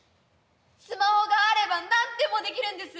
スマホがあれば何でもできるんです。